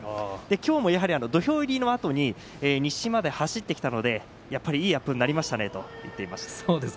きょうも、やはり土俵入りのあと西まで走ってきたのでやはりいいアップになりましたと話しています。